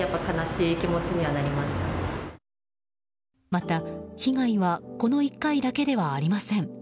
また、被害はこの１回だけではありません。